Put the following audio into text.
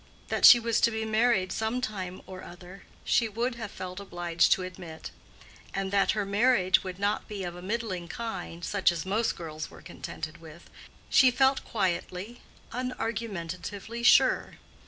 That she was to be married some time or other she would have felt obliged to admit; and that her marriage would not be of a middling kind, such as most girls were contented with, she felt quietly, unargumentatively sure.